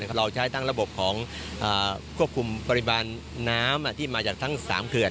เราใช้ตั้งระบบช่วยฝ้าถวงไปคุมปริบารน้ำที่มาจากตั้ง๓เคือน